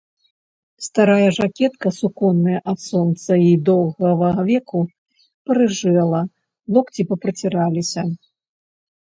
Старая жакетка суконная ад сонца й доўгага веку парыжэла, локці папраціраліся.